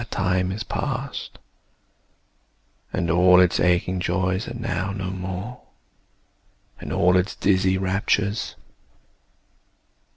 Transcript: That time is past, And all its aching joys are now no more, And all its dizzy raptures.